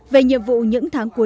về nhiệm vụ những tháng cuối